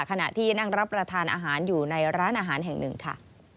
ขณะที่นั่งรับประทานอาหารอยู่ในร้านอาหารแห่งหนึ่งค่ะ